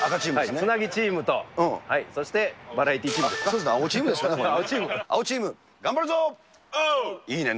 つなぎチームと、そしてバラエテ青チームですかね。